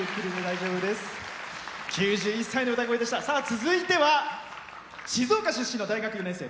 続いては静岡出身の大学４年生。